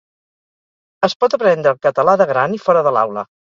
Es pot aprendre el català de gran i fora de l'aula